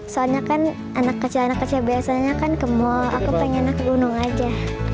soalnya kan anak kecil anak kecil biasanya kan kemul aku pengen ke gunung aja